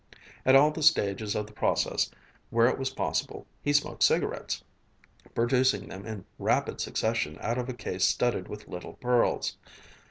At all the stages of the process where it was possible, he smoked cigarettes, producing them in rapid succession out of a case studded with little pearls.